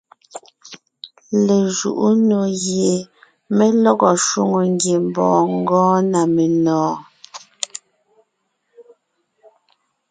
Lejuʼú nò gie mé lɔgɔ shwòŋo ngiembɔɔn gɔɔn na menɔ̀ɔn.